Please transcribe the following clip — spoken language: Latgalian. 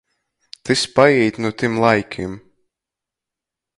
Tys paīt nu tim laikim.